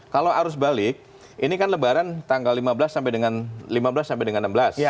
kalau arus balik ini kan lebaran tanggal lima belas sampai dengan enam belas